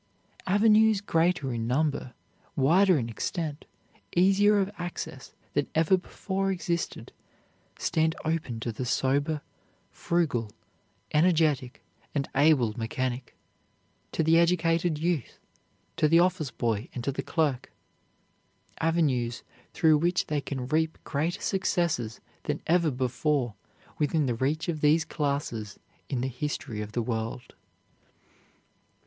Avenues greater in number, wider in extent, easier of access than ever before existed, stand open to the sober, frugal, energetic and able mechanic, to the educated youth, to the office boy and to the clerk avenues through which they can reap greater successes than ever before within the reach of these classes in the history of the world.